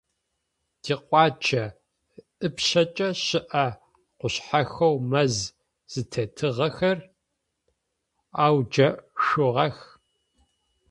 Тикъуаджэ ыпшъэкӏэ щыӏэ къушъхьэхэу мэз зытетыгъэхэр ауджэшъугъэх.